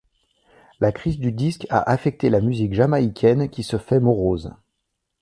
La crise du disque a affecté la musique jamaïcaine qui se fait morose.